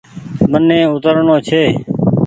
مني اوترڻو ڇي۔